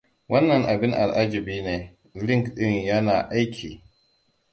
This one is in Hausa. Wannan abin al'ajabi ne! Link ɗin yana aiki!